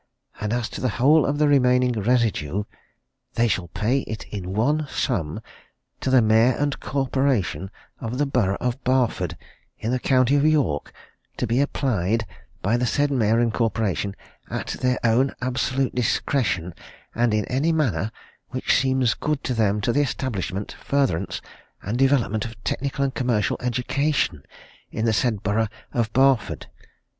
And as to the whole of the remaining residue they shall pay it in one sum to the Mayor and Corporation of the borough of Barford in the County of York to be applied by the said Mayor and Corporation at their own absolute discretion and in any manner which seems good to them to the establishment, furtherance and development of technical and commercial education in the said borough of Barford.